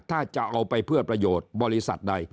ถ้าจะเอาไปเพื่อประโยชน์บริษัทใด